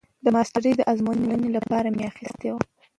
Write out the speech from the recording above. د ماسترۍ د ازموينې لپاره مې اخيستي وو.